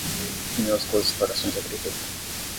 minúsculas explorações agrícolas